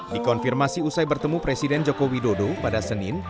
dikonfirmasi usai bertemu presiden joko widodo pada senin